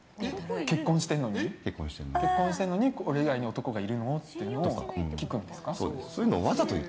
結婚してるのに俺以外に男がいるの？って聞くんですか。